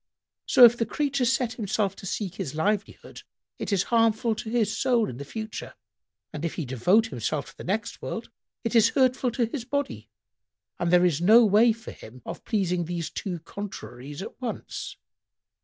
So, if the creature set himself to seek his livelihood, it is harmful to his soul in the future: and if he devote himself to the next world, it is hurtful to his body, and there is no way for him of pleasing these two contraries at once."